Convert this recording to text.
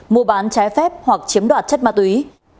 mua bán trái phép hoặc chiếm đoạt chất ma túy